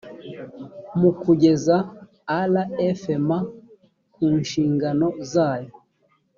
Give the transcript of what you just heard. mu kugeza rfma ku nshingano zayo